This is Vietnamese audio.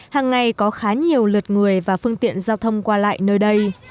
hàng ngày có khá nhiều lượt người và phương tiện giao thông qua lại nơi đây